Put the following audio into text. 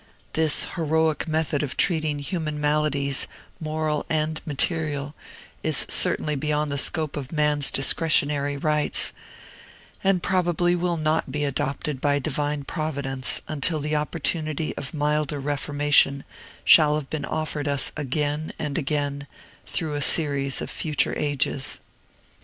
This heroic method of treating human maladies, moral and material, is certainly beyond the scope of man's discretionary rights, and probably will not be adopted by Divine Providence until the opportunity of milder reformation shall have been offered us again and again, through a series of future ages.